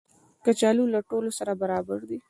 کچالو له ټولو سره برابر دي